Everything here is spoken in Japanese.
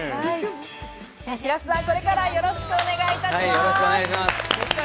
白洲さん、これからよろしくお願いいたします。